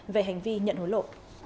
về hành vi nhận hối lộ